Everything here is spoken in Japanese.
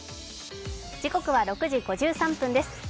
時刻は６時５３分です。